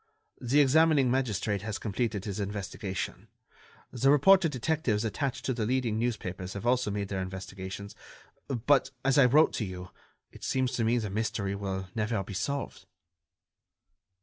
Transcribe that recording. The examining magistrate has completed his investigation. The reporter detectives attached to the leading newspapers have also made their investigations. But, as I wrote to you, it seems to me the mystery will never be solved."